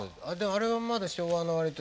あれはまだ昭和のわりと